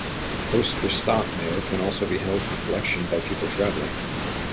"Poste Restante" mail can also be held for collection by people travelling.